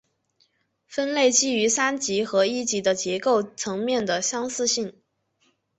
分类基于三级的和一级的结构层面的相似性。